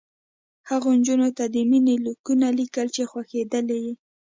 هغو نجونو ته د مینې لیکونه لیکل چې خوښېدلې یې